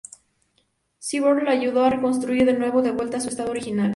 Cyborg la ayudó a reconstruir de nuevo, de vuelta a su estado original.